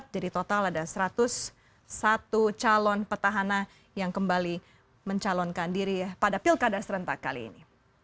jadi total ada satu ratus satu calon petahana yang kembali mencalonkan diri pada pilkada serentak kali ini